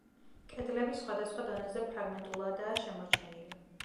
კედლები სხვადასხვა დონეზე ფრაგმენტულადაა შემორჩენილი.